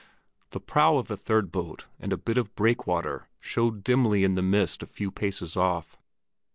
The prow of a third boat and a bit of breakwater showed dimly in the mist a few paces off.